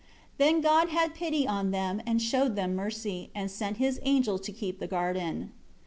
14 Then God had pity on them, and showed them mercy, and sent His Angel to keep the garden.